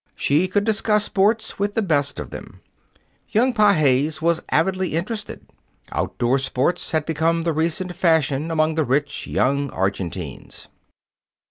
She could discuss sports with the best of them. Young Pages was avidly interested. Outdoor sports had become the recent fashion among the rich young Argentines.